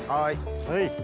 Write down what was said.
はい。